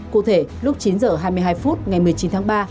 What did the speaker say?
cụ thể lúc chín h hai mươi hai phút ngày một mươi chín tháng ba